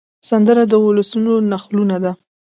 سندره د ولسونو نښلونه ده